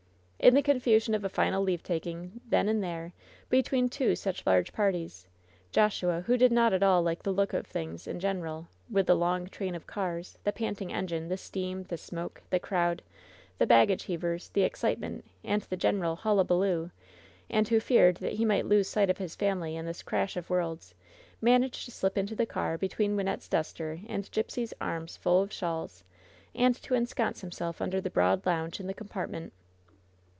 In the confusion of a final leave taking, then and there, between two such large parties, Joshua, who did not at all like the looks of things in general, with the long train of cars, the panting engine, the steam, the smoke, the crowd, the baggage heavers, the excitement, and the general "hullabuloo," and who feared that he might lose sight of his family in this crash of worlds, managed to slip into the car, between Wynnette's duster and Gipsy's arms full of shawls, and to ensconce himself imder the broad lounge in the com partment.